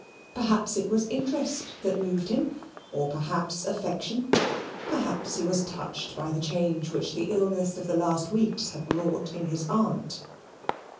Perhaps it was interest that moved him: or perhaps affection: perhaps he was touched by the change which the illness of the last weeks had wrought in his aunt.